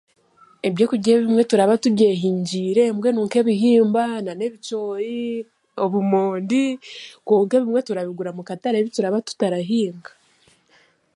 Ebyokurya ebimwe turaba tubyehingiire mbwenu nk'ebihimba nanebicoori, obumondi kwonka ebimwe turabigura mu katare ebituraba tutarahinga.